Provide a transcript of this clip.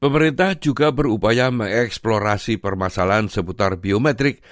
pemerintah juga berupaya mengeksplorasi permasalahan seputar biometrik